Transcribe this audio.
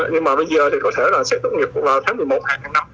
nhưng mà bây giờ thì có thể là xét tốt nghiệp vào tháng một mươi một hai hàng năm